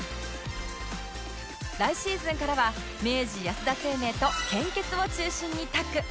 来シーズンからは明治安田生命と献血を中心にタッグ